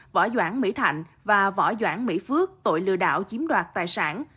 võ doãn mỹ thạnh và võ doãn mỹ phước tội lừa đảo chiếm đoạt tài sản